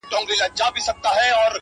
زموږه دوو زړونه دي تل په خندا ونڅيږي ـ